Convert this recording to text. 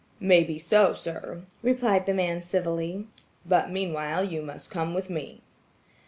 "Maybe so, sir," replied the man civilly. "But meanwhile you must come with me."